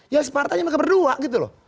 ya spartannya maka berdua gitu loh